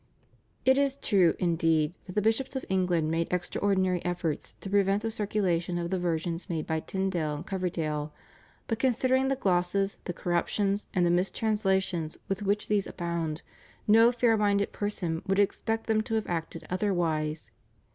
It is true, indeed, that the bishops of England made extraordinary efforts to prevent the circulation of the versions made by Tyndale and Coverdale, but considering the glosses, the corruptions, and the mis translations with which these abound no fair minded person could expect them to have acted otherwise.